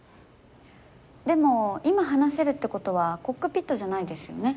でも今話せるって事はコックピットじゃないですよね？